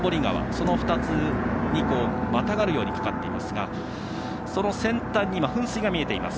その２つにまたがるように架かっていますが、その先端に噴水が見えています。